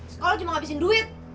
sekolah cuma ngabisin duit